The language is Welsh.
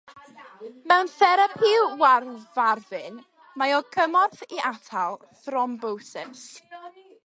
Mewn therapi warfarin, mae o gymorth i atal thrombosis.